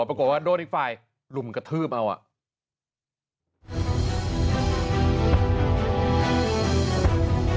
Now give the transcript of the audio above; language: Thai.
ปรากฏว่าโดนอีกฝ่ายลุมกระทืบเอาอ่ะ